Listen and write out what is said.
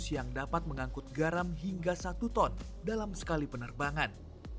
yang dapat mengangkut garam hingga satu ton dalam sekali penerbangan